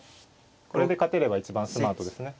これで勝てれば一番スマートですね。